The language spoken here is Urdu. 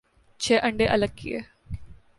چھ انڈے الگ کئے ۔